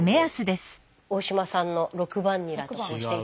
大島さんの６番ニラとこうして。